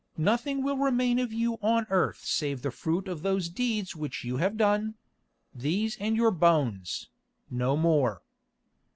Nothing will remain of you on earth save the fruit of those deeds which you have done—these and your bones, no more.